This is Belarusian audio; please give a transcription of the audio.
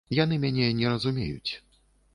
Яны мяне не разумеюць.